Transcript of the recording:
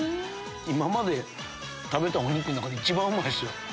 今まで食べたお肉の中で一番うまいっすよ。